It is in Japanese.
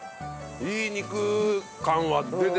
いい肉感は出てますね。